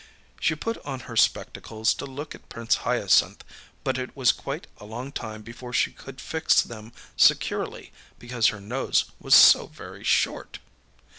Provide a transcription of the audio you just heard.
She put on her spectacles to look at Prince Hyacinth, but it was quite a long time before she could fix them securely because her nose was so very short.